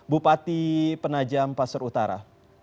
bupati penajam pasir utara